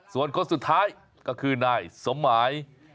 ส่วนคนสุดท้ายก็คือนายสมหมาย